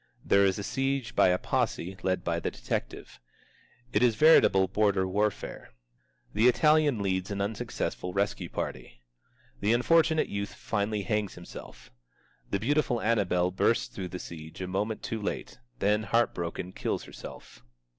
There is a siege by a posse, led by the detective. It is veritable border warfare. The Italian leads an unsuccessful rescue party. The unfortunate youth finally hangs himself. The beautiful Annabel bursts through the siege a moment too late; then, heart broken, kills herself.